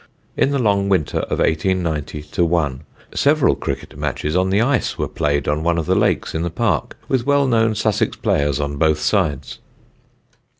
In the long winter of 1890 1 several cricket matches on the ice were played on one of the lakes in the park, with well known Sussex players on both sides.